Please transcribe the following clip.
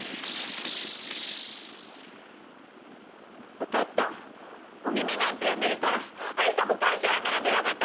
わかった「お耳」なんてやめるから亜里沙も会社辞めるのやめて！